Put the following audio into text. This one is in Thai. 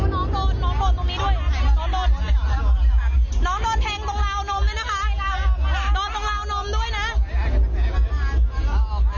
น้องโดนน้องโดนตรงนี้ด้วยน้องโดนน้องโดนแทงตรงราวนมด้วยนะคะ